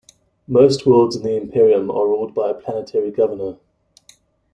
Most worlds in the Imperium are ruled by a planetary governor.